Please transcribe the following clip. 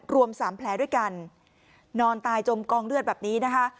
รวมสามแผลด้วยกันนอนตายจมกองเลือดแบบนี้นะคะ